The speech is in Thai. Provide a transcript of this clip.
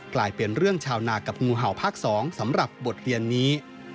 กลายเป็นเรื่องชาวนากับงูเห่าภาค๒สำหรับบทเรียนนี้